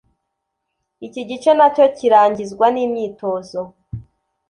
iki gice na cyo kirangizwa n’imyitozo